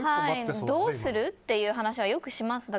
どうする？っていう話はよくします。